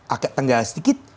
agak tenggara sedikit